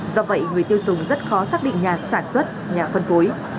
do vậy người tiêu dùng rất khó xác định nhà sản xuất nhà phân phối